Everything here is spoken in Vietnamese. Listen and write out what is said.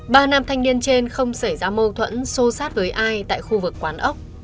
ba nam thanh niên trên không xảy ra mâu thuẫn xô sát với ai tại khu vực quán ốc